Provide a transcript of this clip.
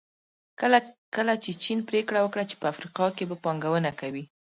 کله چې چین پریکړه وکړه چې په افریقا کې به پانګونه کوي.